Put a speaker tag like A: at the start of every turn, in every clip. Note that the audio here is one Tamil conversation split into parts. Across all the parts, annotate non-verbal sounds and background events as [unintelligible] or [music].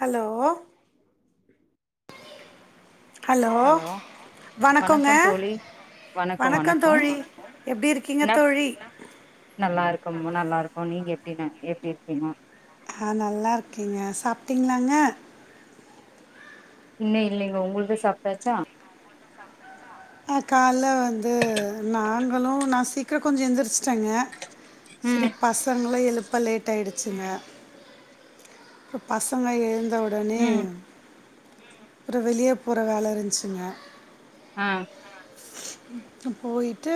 A: ஹலோ ஹலோ வணக்கோங்க
B: வணக்கோ தோழி
A: வணக்கோ தோழி எப்டி இருக்கீங்க
B: என்ன
A: தோழி
B: நல்லா இருக்கோம் நல்லா இருக்கோ நீங்க எப்டிங்க எப்டி இருக்கீங்க
A: ஆ நல்லா இருக்கேங்க சாப்ட்டீங்களாங்க
B: இன்னு இல்லைங்க ஒங்ளுது சாப்டாச்சா
A: அ கால்ல வந்து நாங்களு நா சீக்ரோ கொஞ்சோ எந்திரிச்சுட்டேங்க செரி
B: ம்
A: பசங்கள எழுப்ப லேட் ஆயிடுச்சுங்க அப்ப பசங்க எழுந் த ஒடனே
B: ம்
A: ஒரு வெளிய போற வேல இருந்துச்சுங்க
B: ஆ
A: போயிட்டு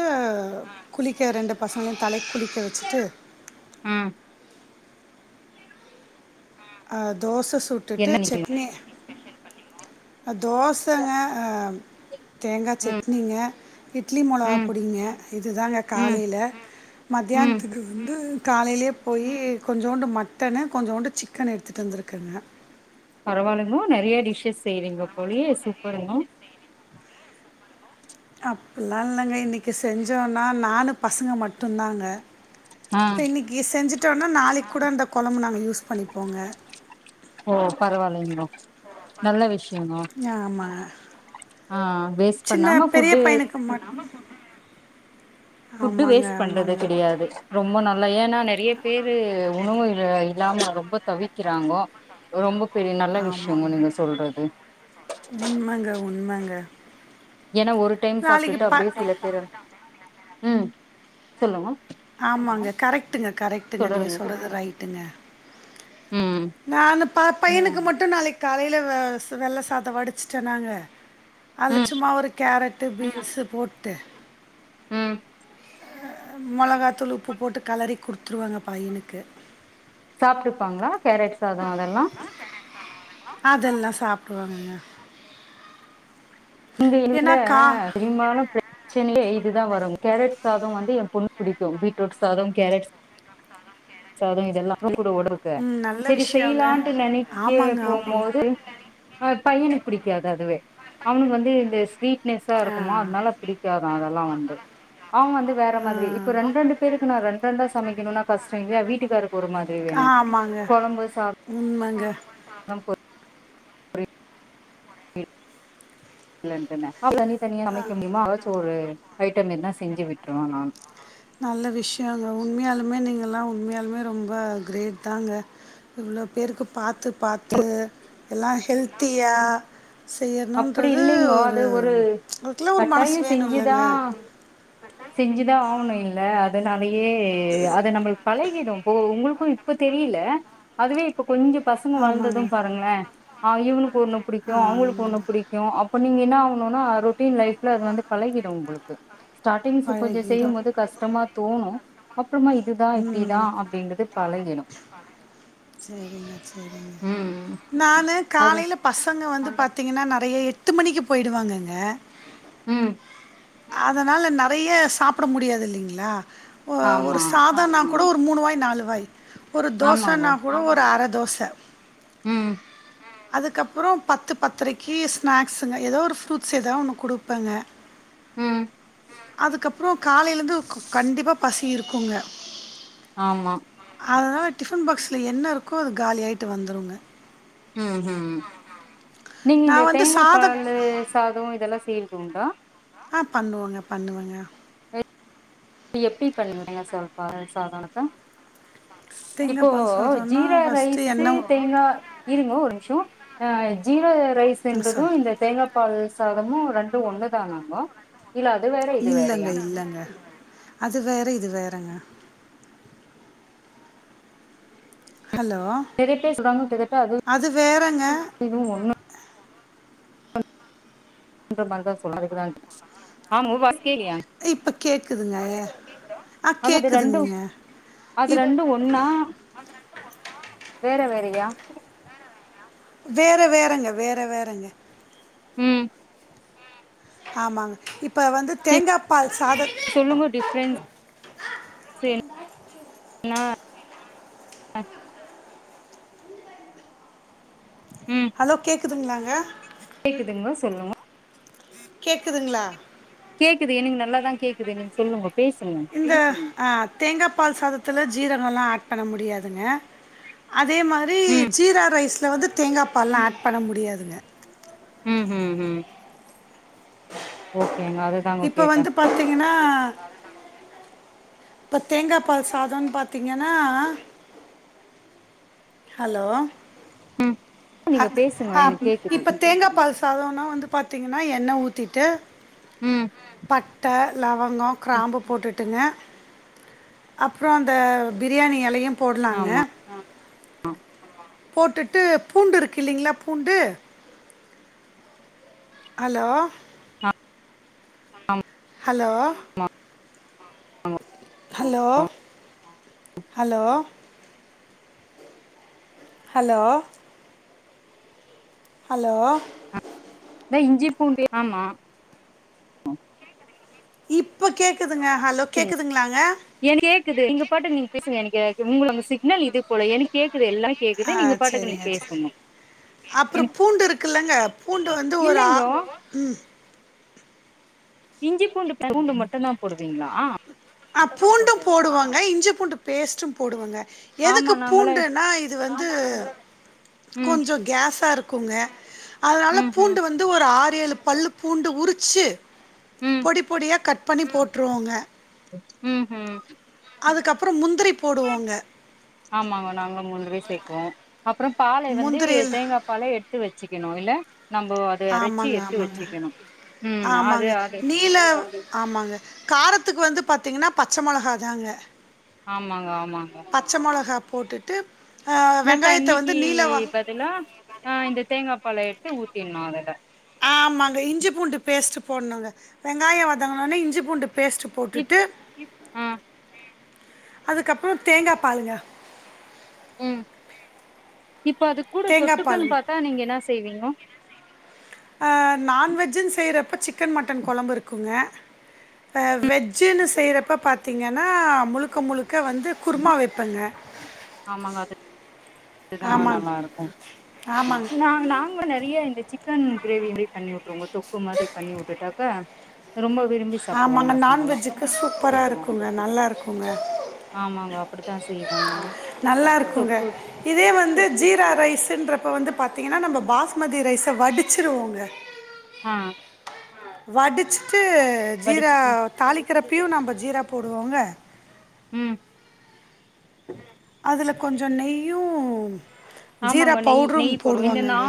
A: குளிக்க ரெண்டு பசங்கலயு தலைக் குளிக்க வச்சுட்டு
B: ம்
A: ஆ தோச சுட்டுட்டு
B: என்ன நீ
A: சட்னி தோசங்க அ தேங்கா
B: ம்
A: சட்னிங்க இட்லி மொளவா
B: ம்
A: பொடிங்க இதுதாங்க
B: ம்
A: காலையில
B: ம்
A: மத்தியானத்துக்கு வந்து காலைலயே போயி கொஞ்சுண்டு மட்டனு கொஞ்சுண்டு சிக்கனு எடுத்துட்டு வந் துருக்காங்க
B: பரவா இல்லங்க நெறையா டிஷ்ஷஸ் செய்றீங்க போலயே சூப்பருங்க
A: அப்பில இல்லங்க இன்னிக்கு செஞ்சோனா நானு பசங்க மட்டுதாங்க
B: ஆ
A: இப்ப இன்னிக்கு செஞ்சுட்டோனா நாளைக் குட அந்த கொழம்பு நாங்க யூஸ் பணிப்போங்க
B: ஓ பரவாயில்லைங்கோ நல்ல விஷ்
A: ஆமாங்க
B: ஆ வேஸ்ட்
A: சின்ன
B: பண்ணாம
A: பெரிய
B: ஃபுட்டு
A: பைனுக்கு மட்டு
B: ஃபுட்டு வேஸ்ட் பண்றது கெடையாது ரொம்ப நல்ல ஏனா நெறையா பேரு உணவு இல்ல இல்லாம ரொம்ப தவிக்கிறாங்கோ ரொம்ப பெரிய நல்ல விஷயங்கோ
A: ஆமாங்க
B: நீங்க சொல்றது
A: உண்மைங்க உண்மைங்க
B: ஏனா ஒரு டைம்
A: நாளைக்கு
B: சாப்டுட்டா அப்டியே
A: ப
B: சில பேர் ம் சொல்லுங்க
A: ஆமாங்க கரெக்ட்டுங்க கரெக்ட்டுங்க நீங்க
B: தொடருங்க
A: சொல்றது ரைட்டுங்க
B: ம்
A: நா அந்த ப பையனுக்கு மட்டு நாளைக்கு காலைல வெள்ள சாதோ வடிச்சிடேனாங்க அதுல
B: ம்
A: சும்மா ஒரு கேரட்டு பீன்ஸ்ஸு போட்டு
B: ம்
A: மொளகாத்தூளு உப்பு போட்டு கலறி குடுத்துருவேங்க பையனுக்கு
B: சாப்டுப்பாங்ளா கேரட் சாதோ அதெல்லா
A: அதெல்லா சாப்டுவாங்கங்க
B: எங்க வீட்ல பெரும்பாலு பிரச்சனையே இதுதா வரூ கேரட் சாதோ வந்து ஏ பொண்ணுக்கு புடிக்கு பீட்ரோட் சாதோ கேரட் சாதோ இதெல்லாமே [unintelligible]
A: ம் நல்ல
B: செரி
A: விஷயங்க.
B: செய்லான்ட்டு நெனைக்க
A: ஆமாங்க ஆமாங்க.
B: போம்போது பையனுக்கு படிக்காது அதுவே அவனுக்கு வந்து இந்த ஸ்வீட்னஸ்ஸா
A: ஆ
B: இருக்குமா அதனால பிடிக்காதா அதெல்லா வந்து அவுங்க வந்து வேற மாரி இப்ப
A: ஆ
B: ரெண்ரெண்டு பேருக்கு நா ரெண்ரெண்டா சமைக்கணுனா கஷ்டோ இல்லையா வீட்டுக்காரருக்கு ஒரு மாதிரி வே
A: ஆமா
B: கொழம்பு சாப் [unintelligible] தனி தனியா சமைக்க முடியுமா எதாச்சு ஒரு ஐட்டோ எதுனா செஞ்சி விட்ருவே நானு
A: எல்லா உண்மயாலுமே ரொம்ப க்ரேட் தாங்க இவ்ளோ பேருக்கு பாத்து பாத்து எல்லா ஹெல்த்தியா
B: அப்டி
A: செய்யணுன்றது
B: இல்லைங்கோ
A: ஒரு
B: அது
A: அதுக்கெல்லா ஒரு மனசு
B: கட்டாயோ செஞ்சுதா
A: வேணுலங்க
B: செஞ்சுதா ஆவுனு இல்ல அதனாலயே அத நம்பளுக்கு பழகிடு போ ஒங்ளுக்கு இப்ப தெரில அதுவே இப்ப கொஞ்சோ பசங்க வளந்தது
A: ஆமாங்க.
B: பாருங்களே இவுனுக்கு ஒன்னு பிடிக்கு
A: ஆமாங்க. ஆ
B: அவுங்களுக்கு ஒன்னு பிடிக்கு அப்ப நீங்க ஒன்னொன்னா ரொட்டீன் லைஃப் அது வந்து பழகிடூ உங்களுக்கு ஸ்டாடிங் கொஞ்சோ செய்யு
A: பழகிடும்.
B: போது கஷ்டமா தோணு அப்றமா இதுதா
A: ம்.
B: இப்டிதா அப்டின்றது பழகிடூ
A: செரிங்க செரிங்க நானு
B: அது
A: காலைல பசங்க வந்து பாத்தீங்கன்னா நா எட்டு மணிக்கு போய்டுவாங்கங்க
B: ம்
A: அதனால நெறைய சாப்ட முடியாது இல்லைங்களா ஒரு
B: ஆமா
A: சாதோ னா கூட ஒரு மூணு வாய் நாலு வாய் ஒரு
B: ஆமாங்கோ
A: தோசன்னா கூட ஒரு அர தோச
B: ம்
A: அதுக்கப்றோ பத்து பத்தரைக்கு ஸ்நாக்ஸுங்க ஏதோ ஒரு ஃப்ரூட்ஸ் ஏதோ ஒண்ணு குடுப்பேங்க
B: ம்
A: அதுக்கப்றோ காலைலந்து கண்டிப்பா பசி இருக்குங்க
B: ஆமா
A: அதனால டிஃபன் பாக்ஸ்ல என்ன இருக்கோ அது காலியாகிட்டு வந்துடுங்க
B: ம் ஹும் நீங்க இந்த
A: நான் வந்து
B: தேங்கா
A: சாதம்
B: பால்லு சாதோ இதெல்லா செய்ற துண்டா
A: ஆ பண்ணுவோங்க பண்ணுவேங்க
B: எப்டி [unintelligible] இப்போ
A: தேங்காய்பால் சாதம்னா
B: ஜீரா
A: ஃபஸ்ட்டு எண்ணெய்
B: ரைஸ்ஸுதேங்கா இருங்க ஒரு நிமிஷோ ஆ ஜீரோ ரைஸ்
A: ம்
B: என்பது
A: சொல்
B: இந்த தேங்காய் பால் சாதமு ரெண்டூ ஒண்ணு தானங்கோ இல்ல அது வேற இது
A: இல்லைங்க
B: வேறயா
A: இல்லைங்க அது வேற இது வேறங்க ஹலோ
B: நெறைய பேர் சொல்றாங்க கிட்டத்தட்ட
A: அது வேறங்க
B: இதுவு [unintelligible]
A: இப்ப கேக்குதுங்க ஆ
B: அது ரெண்டூ
A: கேக்குதுங்கங்க
B: அது
A: இப்
B: ரெண்டூ ஒன்னா வேற வேற யா
A: வேற வேறங்க வேற வேறங்க
B: ம்
A: ஆமாங்க இப்ப வந்து
B: செரி
A: தேங்காய் பால் சாத
B: சொல்லுங்க டிஃப்ரென்ஸ் ந
A: ஹலோ கேக்குதுங்களாங்க
B: கேக்குதுங்கோ சொல்லுங்கோ
A: கேக்குதுங்களா
B: கேக்குது எனக்கு நல்லாதான் கேக்குது நீங்க சொல்லுங்கோ
A: இந்த ஆ தேங்காய் பால் சாதத்துல ஜீரகம் எல்லாம் ஆட் பண்ண முடியாதுங்க அதே மாதிரி
B: ம்
A: ஜீரா ரைஸில் வந்து தேங்காய் பாலலாம் ஆட் பண்ண முடியாதுங்க
B: ம் ம் ம் ஓக் கேங்க அது
A: இப்ப
B: தாங்கக்கேட்ட
A: வந்து பாத்தீங்கன்னா இப்ப தேங்காய பால் சாதம்னு பாத்தீங்கன்னா ஹலோ
B: ம்
A: அ
B: நீங்க பேசுங்க
A: ஆ
B: எனக்கு கேக்குது
A: இப்ப தேங்காய் பால் சாதம்னா வந்து பாத்தீங்கன்னா எண்ண ஊத்திட்டு
B: ம்
A: பட்டை லவங்கம்
B: ம்
A: கிராம்பு போட்டுட்டு ங்க அப்றம் அந்த பிரியாணி இலையு போடலாங்க
B: ஆமா
A: போட்டுட்டு பூண்டு இருக்கு இல்லலைங்களா பூண்டு ஹலோ
B: ஆமா
A: hello hello hello hello hello
B: ந்த இஞ்சி பூண்டு ஆமா
A: இப்ப கேக்குது
B: செ எனக் கேக்குது நீங்க பாட்டுக்கு நீங்க பேசுங்க எனக்க எங்குலங்க சிக்னல் இது போல எனக் கேக்குது எல்லா கேக்குது நீங்க பாட்டுக்கு நீங்க பேசுங்க
A: அப்ரோ
B: எனக்கு
A: பூண்டு இருக்குல்லங்க பூண்டு வந்து ஒரு ஆ
B: இல்லைங்கோ
A: உம்
B: இஞ்சி பூண்டு பூண்டு மட்டு தா போடுவீங்களா ஆ
A: ஆ பூண்டும் போடுவாங்க இஞ்சி பூண்டு பேஸ்ட்டும் போடுவங்க
B: ஆமா
A: எதுக்கு
B: நாங்களே
A: பூண்டுன்னா இது வந்து
B: ம்
A: கொஞ்சோ கேஸா இருக்குங்க அதனால
B: ம் ம்
A: பூண்டு வந்து ஒரு ஆறு எழு பல்லு பூண்டு உரிச்சு
B: ம்
A: பொடி பொடியா கட் பண்ணி போட்டுருவோங்க
B: உம் ஹ்ம்
A: அதுக்கப்ரோ முந்திரி போடுவோங்க
B: ஆமாங்க நாங்கலு முந்திரி சேக்குவோம் அப்ரோ பால வந்து
A: முந்திரியில்
B: தேங்கா பால எடுத்து வச்சுக்கணு இல நம்போ அத அரைச்சி
A: ஆமாங்க
B: எத்து
A: ஆமாங்க
B: வச்சுக்கணு ம் அது
A: ஆமாங்க
B: அது
A: நீல ஆமாங்க காரத்துக்கு வந்து பாத்தீங்கன்னா பச்ச மொலஹா தாங்க
B: ஆமாங்க ஆமாங்க
A: பச்சை மிளகா போட்டுட்டு ஆ,
B: இந்த
A: வெங்காயத்தை
B: தண்ணிக்கு
A: வந்து நீல வா
B: பதிலா ஆ இந்த தேங்கா பால எடுத்து ஊத்திடுணு அதுல
A: ஆமாங்க இஞ்சி பூண்டு பேஸ்ட் போடணுங்க வெங்காயோ வதங்குநோன இஞ்சி பூண்டு பேஸ்ட்
B: இப்
A: போட்டுட்டு
B: ஆ
A: அதுக்கப்ரோ தேங்கா பாலுங்க
B: உம் இப்ப அது கூட
A: தேங்காய்
B: தொட்டுக்கன்னு
A: பாலுங்க
B: பாத்தா நீங்க என்ன ச செய்வீங்கோ
A: ஆ நான்வெஜுன்னு செய்யறப்ப சிக்கன் மட்டன் கொழம்பு இருக்குங்க வெஜ்ஜுன்னு செய்யறப்ப பாத்தீங்கன்னா முழுக்க முழுக் க்க வந்து குருமா வெப்பேங்க
B: ஆமாங்க அது இதுதா
A: ஆமாங்க
B: நல்லா இருக்கு
A: ஆமாங்க
B: நா நாங்க நெறையா இருந்துச்சு சிக்கன் கிரேவி மாரி பண்ணி விட்டுருங்க தொக்கு மாரி பண்ணி வுட்டுட்டாக்கா ரொம்ப விரும்பி சாப்டுவாங்க
A: ஆமாங்க
B: பசங்கல்லா
A: நான்வெஜ்ஜுக்கு சூப்பரா இருக்குங்க நல்லா இருக்குங்க
B: ஆமாங்கோ அப்படித்தா செய்யு
A: நல்லா இருக்குங்க இதே வந்து ஜீரா ரைஸ்சுன்ற இப்போ வந்து பாத்தீங்கன்னா நம்ம பாஸ்மதி ரைஸ வடுச்சிருவோங்க
B: ஆ
A: வடுச்சுட்டு ஜீரா
B: வடிச்சு ம்
A: தாலி க்குறப்பியு நம்ப ஜீர போடுவோங்க
B: உம்
A: அதுல கொஞ்சோ நெய்யும் ஜீரா
B: ஆமாங்க நெய்
A: பவுடரும்
B: நெய் போடுவோ இந்த நா
A: போடுவாங்கங்க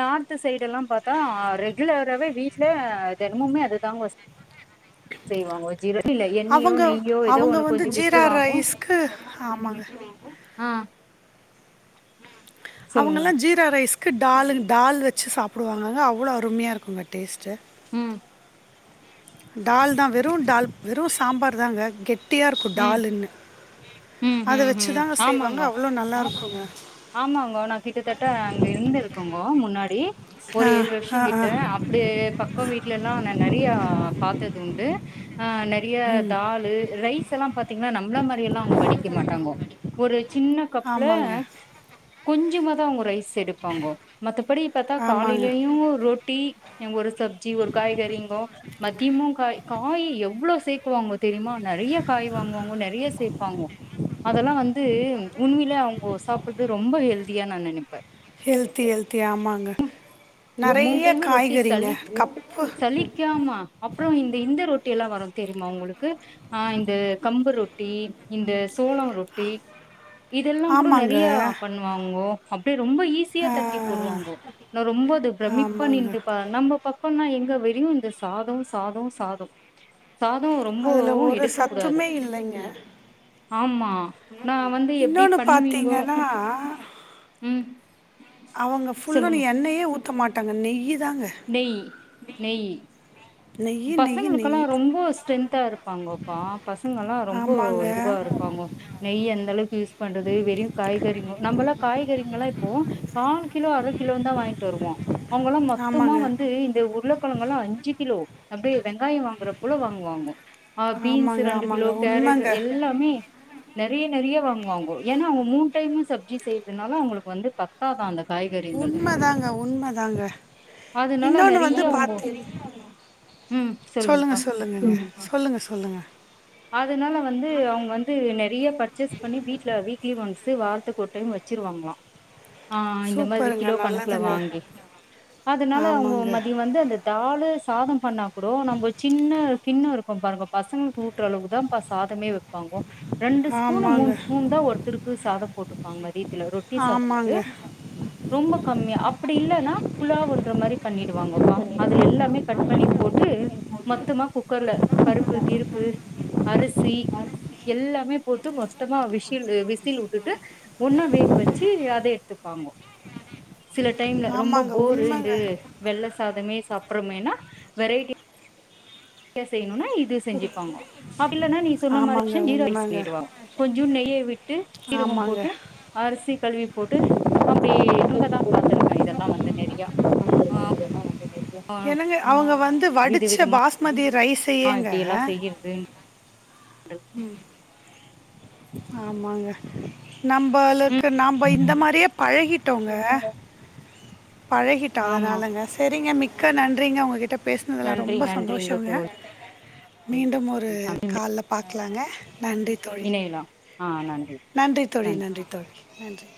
B: நார்து சைடுலாம் ப்பாத்தா ரெகுலராவே வீட்டு்ல தெனமுமே அதுதாங்க செய்வாங்க ஜீர இல்ல
A: [inaudible]
B: எண்ணெயோ
A: அவங்க
B: நெய்யோ ஏதோ
A: அவங்க
B: ஒண்ணு
A: வந்து
B: கொஞ்சோ
A: ஜீரா
B: விட்டுருவாங்கோ
A: ரைஸ்க்கு ஆமாங்க
B: ஆ சொல்லுங்க
A: அவங்கல்லா ஜீரா ரைஸ்க்கு டாலு டால் வச் சு சாப்படுவாங்கக அவ்வளோ அருமையா இருகுங்க டேஸ்டு
B: உம்
A: டால் தா வெறு டால் வெறும் சாம்பார் தாங்க கெட்டியா இருக்கு
B: ம்
A: டாலுன்னு
B: ம்
A: அத
B: ம் ம்
A: வச்சுதாங்க செய்வாங்க
B: ஆமாங்கோ
A: அவ்வளோ நல்லா இருக்குங்க
B: ஆமாங்கோ நா கிட்டத்தட்ட அங்க இருந்து இருக்கங்கோ முன்னாடி ஒரு
A: ஆ
B: ஏழு வருஷோ
A: ஆ ஆ
B: கிட்ட அப்டி பக்கோ வீட்ல நொ நா நெறைய பாத்து உண்டு ஆ நறைய தாலு ரைஸ் எல்லா பாத்தீங்ன்னா நம்மள மாரி எல்லா அவங்க வடிக்க மாட்டாங்கோ ஒரு சின்ன கப்ல
A: ஆமாங்க
B: கொஞ்சமாதா அவங்க ரைஸ் எடுப்பாங்கோ மத்தபடி பாத்தா
A: ஆமாங்க
B: காலைலயு ரொட்டி எங்க ஒரு சப்ஜி ஒரு காய்கறிங்கோ மத்தியமு காய் காய் எவ்வளோ சேக்குவாங்ங தெரியுமா நெறைய காய் வாங்குவாங்கோ நெறைய சேர்ப்பாங்கோ அதெல்லா வந்து உண்வில அவங்கோ சாப் அது ரொம்ப ஹெல்தியா நா நனப்பே
A: ஹெல்த்தி ஹெல்த்தி ஆமாங்க
B: மூண்ணு
A: நிறைய
B: டைமு ரொட்டி
A: காய்கறிங்க
B: சலி
A: கப்பு
B: சலிக்காம அப்புறோ இந்த இந்த ரொ ட்டி எல்லா வரு தெரியுமா உங்களுக்கு ஆ இந்த கம்பு ரொ ட்டி இந்த சோளோ ரொட்டி இதெல்லா கூட
A: ஆமாங்க
B: நறைய பண்ணுவாங்கோ அப்டி ரொம்ப ஈஸியா
A: ஆ,
B: தட்டி போடுவாங்கோ நா ரொம்ப அது பிரமிப்ப
A: ஆமாங்க
B: நின்டுபா நம்ம பக்கொனா இங் க வெரியு இந்த சாதோ சாதோ சாதோ சாதோ
A: அதில்
B: ரொம்பவு
A: ஒரு
B: எடுக்க கூடாது
A: சத்துமே இல்லைங்க
B: ஆமா நா வந்து எப்டி பண்ணுவீங்கோ
A: ஆ
B: ம்
A: அவங்க ஃபுல்லா நெ
B: சொல்லுங்க.
A: எண்ணையே ஊத்த மாட்டாங்க நெய் தாங்க
B: நெய் நெய்
A: நெய் நெய்
B: பசங்களுக்குல்லா
A: நெய்
B: ரொம்ப ஸ்ட்ரென்தா இருப்பாங்கோப்பா பசங்கல்லா ரொம்பொ
A: ஆமாங்க
B: இதுவா இருப்பாங் கொ நெய் எந்த அளவுக்கு யூஸ் பண்றது வெறியு காய்கறிங்கு நம்பல்லா காய்கறி ங்களா இப்போ நாலு கிலோ அர கிலோன்தா வாங்கிட்டு வருவோ அவங்கல்லா மொத்தமா
A: ஆமாங்க
B: வந்து இந்த உருளக்கெழங்கெல்லா அஞ்சு கிலோ அப்டே வெங்காயொ பாங்குறப்புல்ல வாங்குவாங்க ஆ பீன்ஸ்
A: ஆமாங்க
B: ரெண்டு
A: ஆமாங்க
B: கிலோ கேரட்
A: உண்மைங்க
B: எல்லாமே நெறைய நெறைய வாங்குவாங்கோ ஏன்னா அவங்க மூணு டைம்மு சப்ஜி செய்யறதுனால அவங்களுக்கு வந்து பத்தாதா அந்த காய்கறிகள்
A: உண்மதாங்க உண்மதாங்க
B: அதனால
A: இன்னொன்னு
B: நெறைய
A: வந்து
B: அவங்க
A: பாத்து
B: ம்
A: சொல்லுங்க
B: சொல்லுங்கப்பா
A: சொல்லுங்க சொல்லுங்க சொல்லுங்க
B: அதனால வந்து அவங்க வந்து நெறைய பர்ச்சேஸ் பண்ணி வீட்ல வீக்லி ஒன்ஸ் து வாரத்துக்கு ஒரு டைம் வெச்சிருவாங்க்ளா ஆ இந்த மாரி
A: சூப்பருங்க
B: கிலோ கணக்குல
A: நல்லதுங்க
B: வாங்கி அதனால அவங்க
A: ஆமாங்க
B: மதியோ வந்து அந்த தாலு சாதோ பண்ணா கூட நம்ப சின்ன கிண்ணோ இரு கோ பாருங்கோ பசங்களு ஊட்டுற அளவுக்கு தா பா சாதமே வெப்பாங்கோ ரெண்டு ஸ்பூன் மூணு
A: ஆமாங்க
B: ஸ்பூன் தா ஒருத்தருக்கு சாத போட்டுப்பாங்க னு வீதுல ரொட்டி சாப்ட்டு
A: ஆமாங்க
B: ரொம்ப கம்மியா அப்டி இல்லன்னா புழாவ் வந் ர மாரி பண்ணிடுவாங்கப்பா அதுல எல்லாமே கட் பண்ணி போட்டு மொத்தமா குக்கர்ல பருப்பு கிருப்பு அரிசி எல்லாமே போட்டு மொத்தமா விஷில் விசில் உட்டுட்டு ஒன்னா வேக வச்சு அத எடுத்து ஆமா
A: வேற
B: சில டைம்ல ரொம்ப போரு இது வெள்ள சாதமே சாப்டுறமேன்னா வெரைட்டி டியா செய் இல்லனா இது செஞ்சுப்பாங்கோ அப்டி இல்லன்ன நீ சொன்ன
A: ஆமாங்க
B: மாராச்சு [unintelligible]
A: உண்மைங்க
B: நீட்டுவாங் கொஞ்சோன் நெய்ய விட்டு சீரகம்
A: ஆமாங்க
B: போட்டு அரிசி கழுவி போட்டு அப்டி அங்கதா பாத்திருக்கே இதெல்லா வந்து நெறையா ஆ
A: என்னங்க அவங்க வந்து வடிச்ச
B: விதமா
A: பாஸ்ம ரைஸ்ஸயேங்க
B: இப்டி எல்லா
A: ஆ
B: செய்யறது
A: ம் ஆமாங்க நம்பளுக்கு நாம்ப இந்த
B: ம்
A: மாரியே பழகி கிட்டோங்க பழகிட்டாங்க
B: ஆமா
A: அதனாலங்க சரிங்க மிக்க நன்றிங்க உங்ககிட்ட பேசினதில
B: நன்றி
A: ரொம்ப
B: நன்றிங்க
A: சந்தோஷங்க
B: தோழி
A: மீண்டும் ஒரு
B: நன்றி.
A: கால்ல பாக்கலாங்க நன்றி தோழி
B: இணையலாம் ஆ
A: நன்றி தோழி நன்றி தோழி நன்றி